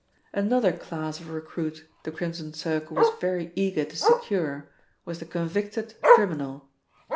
"Another class of recruit the Crimson Circle was very eager to secure was the convicted criminal.